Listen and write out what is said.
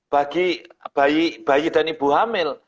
bagi bayi dan ibu hamil